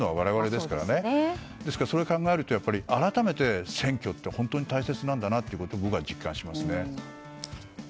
ですから、そう考えると改めて選挙って本当に大切なんだなと僕は実感しますね。